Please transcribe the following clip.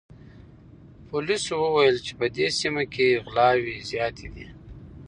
پولیسو وویل چې په دې سیمه کې غلاوې زیاتې دي.